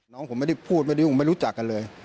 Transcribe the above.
น้องผมไม่ได้พูดไม่ได้ผมไม่รู้จักกันเลย